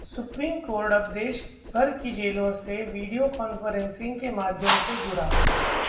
supreme court अब देश भर की जेलों से वीडियो कॉन्फ़्रेंसिंग के माध्यम से जुड़ा